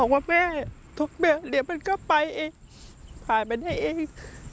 ทำมาก็ต้อง